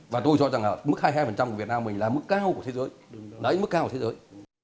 và tôi cho rằng mức hai mươi hai của việt nam mình là mức cao của thế giới là mức cao của thế giới